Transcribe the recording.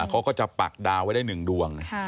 เขาก็จะปากดาวน์ไว้ได้หนึ่งดวง